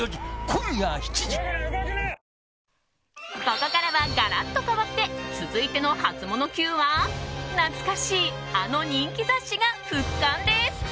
ここからは、ガラッと変わって続いてのハツモノＱは懐かしいあの人気雑誌が復刊です。